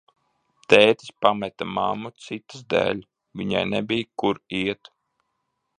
Tētis pameta mammu citas dēļ, viņai nebija, kur iet.